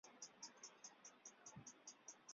应两广总督李瀚章之邀主讲广东韩山书院。